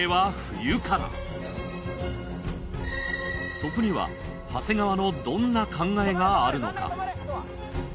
そこには長谷川のどんな考えがあるのか？